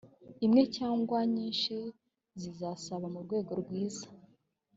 imwe cyangwa nyinshi zisaba mu rwego rwizaa